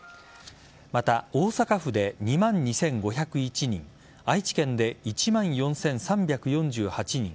また、大阪府で２万２５０１人愛知県で１万４３４８人